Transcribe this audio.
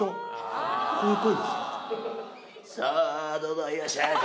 さぁどうぞいらっしゃいませ！